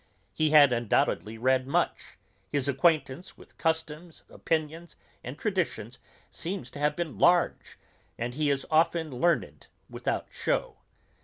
He had undoubtedly read much; his acquaintance with customs, opinions, and traditions, seems to have been large; and he is often learned without shew.